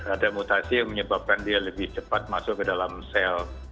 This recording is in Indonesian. ada mutasi yang menyebabkan dia lebih cepat masuk ke dalam sel